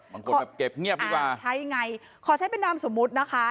แบบเก็บเงียบดีกว่าใช่ไงขอใช้เป็นนามสมมุตินะคะ